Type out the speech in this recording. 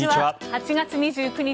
８月２９日